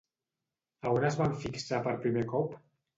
A on es van fixar per primer cop?